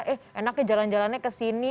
eh enaknya jalan jalannya ke sini